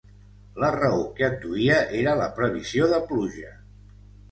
La raó que adduïa era la previsió de pluja.